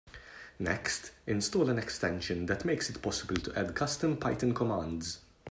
Next, install an extension that makes it possible to add custom Python commands.